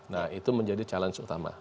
nah itu menjadi challenge utama